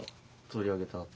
取り上げたの。